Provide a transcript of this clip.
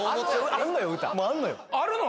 あるのよ